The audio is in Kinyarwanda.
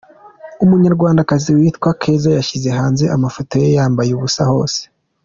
Umunyarwandakazi witwa Keza yashyize hanze amafoto ye yambaye ubusa hose.